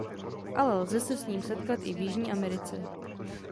Ale lze se s ním setkat i v Jižní Americe.